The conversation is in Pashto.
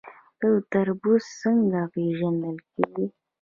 تربوز څنګه پیژندل کیږي؟